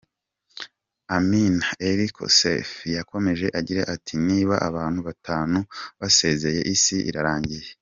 Amine El Kosseifi yakomeje agira ati “Niba abantu batanu basezeye, Isi irarangiye”.